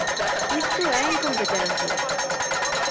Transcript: Isto é incompetencia.